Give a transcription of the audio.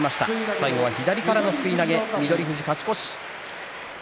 最後は左からのすくい投げ翠富士、勝ち越し。